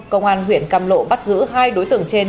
công an huyện cam lộ bắt giữ hai đối tượng trên